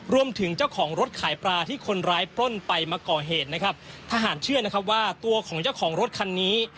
รวมถึงเจ้าของรถขายปลาที่คนร้ายปล้นไปมาก่อเหตุนะครับทหารเชื่อนะครับว่าตัวของเจ้าของรถคันนี้